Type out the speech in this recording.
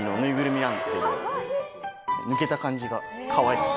抜けた感じがかわいくて。